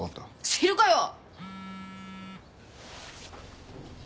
知るかよ！